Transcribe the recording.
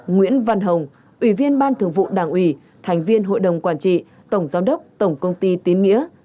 nguyễn văn hồng ủy viên ban thường vụ đảng ủy thành viên hội đồng quản trị tổng giám đốc tổng công ty tín nghĩa